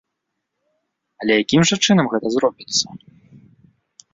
Але якім жа чынам гэта зробіцца?